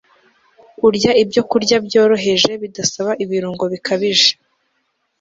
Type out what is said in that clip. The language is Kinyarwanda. urya ibyokurya byoroheje bidasaba ibirungo bikabije